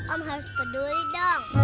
om harus peduli dong